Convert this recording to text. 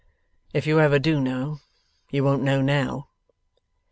'If you ever do know, you won't know now.